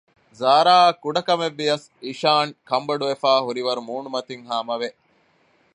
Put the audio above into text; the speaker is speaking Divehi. ޒާރާއަށް ކުޑަކަމެއްވިޔަސް އިޝާން ކަންބޮޑުވަފައި ހުރިވަރު މޫނުމަތިން ހާމަވެ